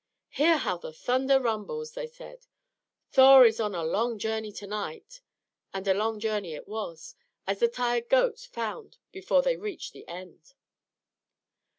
"Hear how the thunder rumbles!" they said. "Thor is on a long journey to night." And a long journey it was, as the tired goats found before they reached the end.